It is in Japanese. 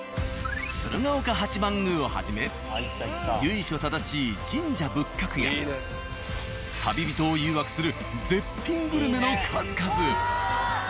鶴岡八幡宮をはじめ由緒正しい神社仏閣や旅人を誘惑する絶品グルメの数々。